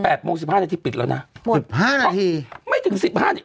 โมงสิบห้านาทีปิดแล้วนะสิบห้านาทีไม่ถึงสิบห้านี่